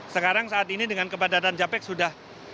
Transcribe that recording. sekarang saat ini dengan kepadatan japex sudah satu